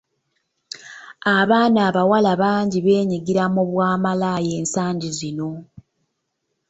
Abaana abawala bangi beenyigira mu bwamalaaya ensangi zino.